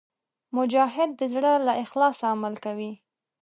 مجاهد د زړه له اخلاصه عمل کوي.